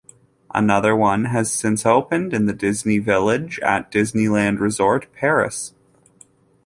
Another one has since opened in the Disney Village at Disneyland Resort Paris.